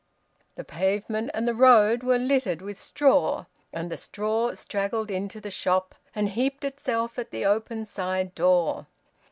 The pavement and the road were littered with straw, and the straw straggled into the shop, and heaped itself at the open side door.